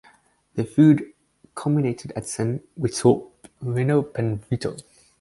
Their feud culminated at Sin, which saw Reno pin Vito.